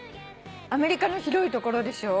アメリカの広いところでしょ？